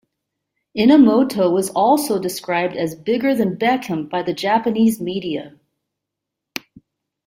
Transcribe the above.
Inamoto was also described as "bigger than Beckham" by the Japanese media.